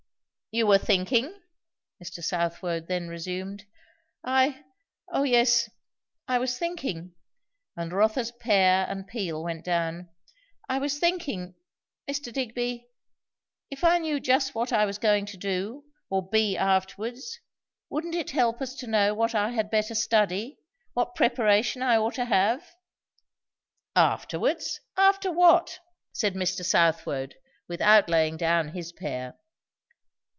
"You were thinking ?" Mr. Southwode then resumed. "I? O yes! I was thinking " And Rotha's pear and peel went down. "I was thinking Mr. Digby, if I knew just what I was going to do, or be afterwards, wouldn't it help us to know what I had better study? what preparation I ought to have?" "Afterwards? After what?" said Mr. Southwode, without laying down his pear.